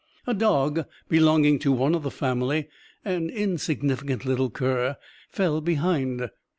A dog belonging to one of the family an insignificant little cur fell behind.